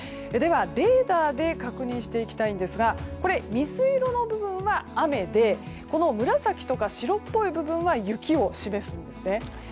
ではレーダーで確認していきたいんですが水色の部分は雨で紫とか白っぽい部分が雪を示しているんです。